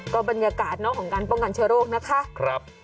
ก็บรรยากาศเนาะของการป้องกันเชื้อโรคนะคะ